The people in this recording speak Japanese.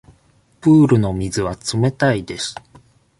プールの水は冷たいです。